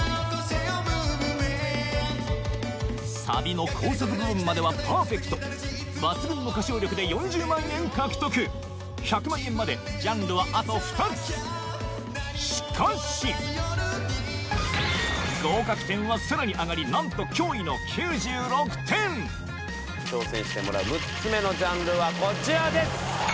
サビの高速部分まではパーフェクト抜群の歌唱力で４０万円獲得１００万円までジャンルはあと２つしかし合格点はさらに上がりなんと驚異の９６点挑戦してもらう６つ目のジャンルはこちらです。